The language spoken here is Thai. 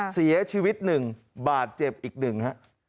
เสียชีวิตหนึ่งบาดเจ็บอีกหนึ่ง